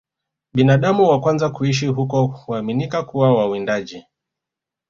Binadamu wa kwanza kuishi huko huaminiwa kuwa wawindaji